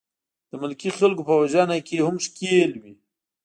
د ملکي خلکو په وژنه کې هم ښکېل وې.